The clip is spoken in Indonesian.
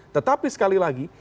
tetapi sekali lagi